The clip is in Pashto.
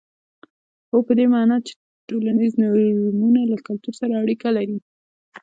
هو په دې معنا چې ټولنیز نورمونه له کلتور سره اړیکه لري.